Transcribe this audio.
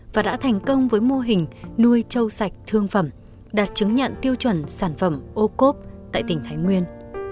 và đã thành công với mô hình nuôi châu sạch thương phẩm đạt chứng nhận tiêu chuẩn sản phẩm o cop tại tỉnh thái nguyên